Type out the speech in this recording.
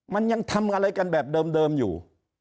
มันยังทำอะไรกันแบบเดิมอยู่